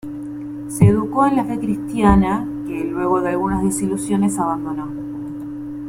Se educó en la fe cristiana que, luego de algunas desilusiones, abandonó.